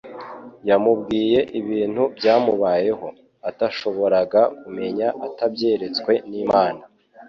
yamubwiye ibintu byamubayeho, atashoboraga kumenya atabyeretswe n'Imana